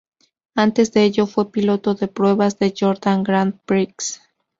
Antes de ello fue piloto de pruebas de Jordan Grand Prix.